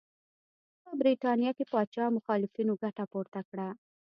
په برېټانیا کې پاچا مخالفینو ګټه پورته کړه.